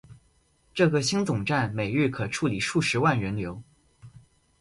这个新总站每日可处理数十万人流。